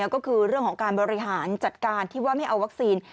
ก็คือเรื่องของการบริหารจัดการที่ว่าไม่เอาวัคซีน